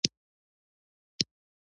لمریز ځواک د افغانانو د معیشت سرچینه ده.